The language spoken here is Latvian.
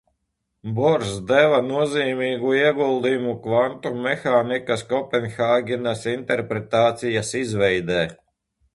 Bors deva nozīmīgu ieguldījumu kvantu mehānikas Kopenhāgenas interpretācijas izveidē.